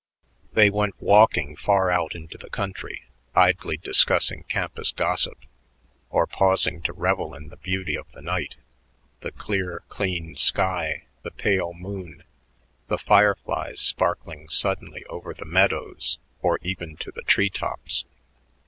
They went walking far out into the country, idly discussing campus gossip or pausing to revel in the beauty of the night, the clear, clean sky, the pale moon, the fireflies sparkling suddenly over the meadows or even to the tree tops.